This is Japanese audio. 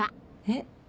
えっ？